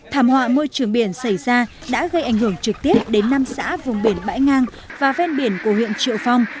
thảm họa môi trường biển xảy ra đã gây ảnh hưởng trực tiếp đến năm xã vùng biển bãi ngang và ven biển của huyện triệu phong